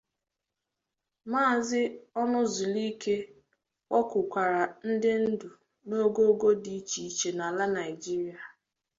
Maazị Ọnụzulike kpọkukwàrà ndị ndu n'ogoogo dị iche iche n'ala Nigeria